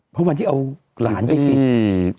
เพราะวันที่เอาหลานไปฉีดอืม